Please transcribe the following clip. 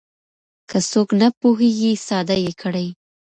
که څوک نه پوهېږي ساده يې کړئ.